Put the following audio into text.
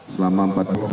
selama empat belas hari